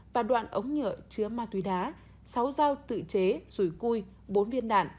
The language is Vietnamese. và đoạn ống nhựa chứa ma túy đá sáu dao tự chế rùi cui bốn viên đạn